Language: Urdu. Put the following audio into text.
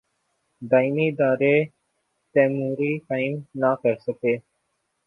دائمی ادارے تیموری قائم نہ کر سکے۔